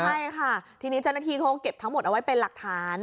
ใช่ค่ะทีนี้เจ้าหน้าที่เขาก็เก็บทั้งหมดเอาไว้เป็นหลักฐาน